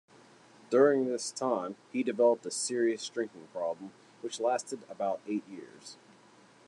During this time he developed a serious drinking problem, which lasted about eight years.